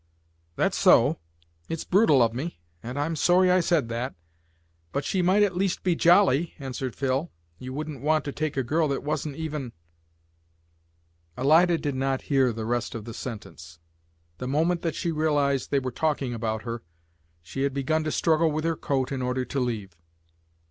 "That's so. It's brutal of me, and I'm sorry I said that. But she might at least be jolly," answered Phil. "You wouldn't want to take a girl that wasn't even " Alida did not hear the rest of the sentence. The moment that she realised they were talking about her, she had begun to struggle into her coat in order to leave.